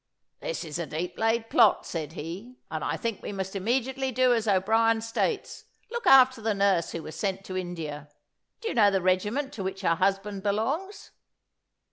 "This is a deep laid plot," said he, "and I think we must immediately do as O'Brien states look after the nurse who was sent to India. Do you know the regiment to which her husband belongs?"